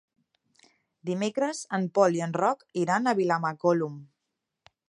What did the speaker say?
Dimecres en Pol i en Roc iran a Vilamacolum.